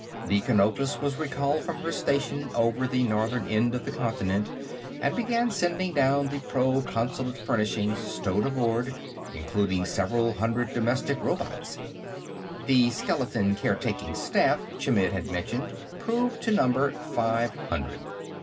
The Canopus was recalled from her station over the northern end of the continent and began sending down the proconsulate furnishings stowed aboard, including several hundred domestic robots. The skeleton caretaking staff Chmidd had mentioned proved to number five hundred.